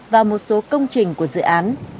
và một số công trình của dự án